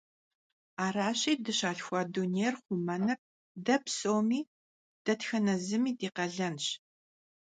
Araşi, dışalhxua dunêyr xhumenır de psomi, detxene zımi di khalenş.